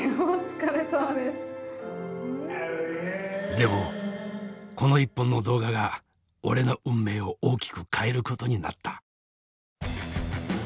でもこの１本の動画が俺の運命を大きく変えることになった。